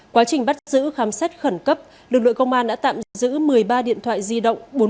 quá trình bắt giữ khám xét khẩn cấp lực lượng công an đã tạm giữ một mươi ba điện thoại di động